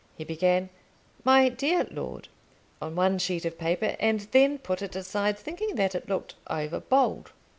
He began, "My dear Lord," on one sheet of paper, and then put it aside, thinking that it looked over bold.